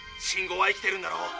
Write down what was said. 信号は生きてるんだろ？